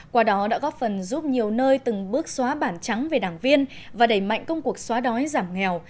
qua đó đã góp phần giúp nhiều nơi từng bước xóa bản trắng về đảng viên và đẩy mạnh công cuộc xóa đói giảm nghèo